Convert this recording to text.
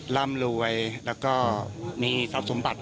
ล้ำรวยและก็มีสร้างสมบัติ